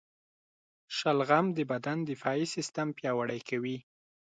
شلغم د بدن دفاعي سیستم پیاوړی کوي.